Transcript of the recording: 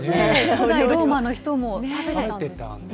古代ローマの人も食べてたんですね。